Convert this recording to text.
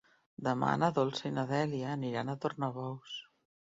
Demà na Dolça i na Dèlia aniran a Tornabous.